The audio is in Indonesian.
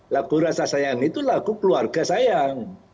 lagu rasa sayang itu lagu keluarga sayang